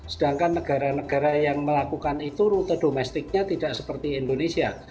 sedangkan negara negara yang melakukan itu rute domestiknya tidak seperti indonesia